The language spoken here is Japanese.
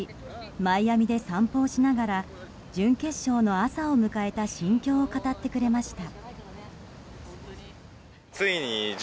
マイアミで散歩をしながら準決勝の朝を迎えた心境を語ってくれました。